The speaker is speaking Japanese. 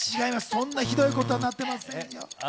そんなひどいことになっていませんよ。